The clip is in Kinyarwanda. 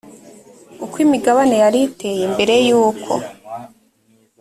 uko imigabane yari iteye mbere y uko